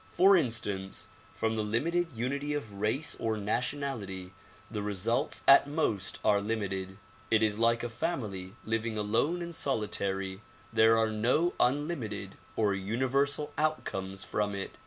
For instance, from the limited unity of race or nationality the results at most are limited. It is like a family living alone and solitary; there are no unlimited or universal outcomes from it.